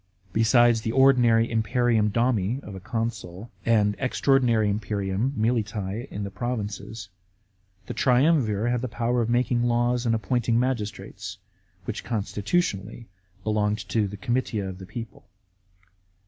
Besides the ordinary imperium domi of a consul and an extra ordinary imperium (militise) in the provinces, the triumvir had the power of making laws and of appointing magistrates, which consti tutionally belonged to the comitia of the people.